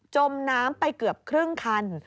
จมน้ำไปเกือบครึ่งคัน